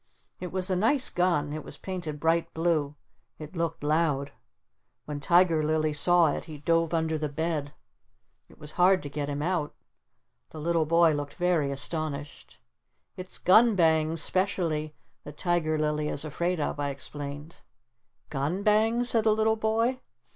It was a nice gun. It was painted bright blue. It looked loud. When Tiger Lily saw it he dove under the bed. It was hard to get him out. The little boy looked very astonished. "It's gun bangs specially that Tiger Lily is afraid of," I explained. "Gun bangs?" said the little boy.